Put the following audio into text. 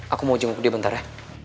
aku mau jenguk dia bentar ya